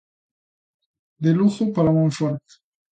De Lugo para Monforte.